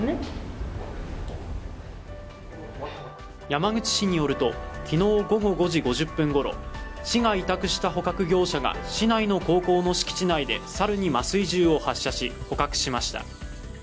山口市によると、昨日午後５時５０分ごろ、市が委託した捕獲業者が市内の高校の敷地内で猿に麻酔銃を発射し捕獲しました。